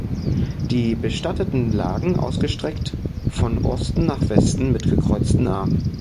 Die Bestatteten lagen ausgestreckt von Osten nach Westen mit gekreuzten Armen.